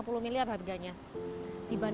jika kita berpikir pikir jumlahnya berbeda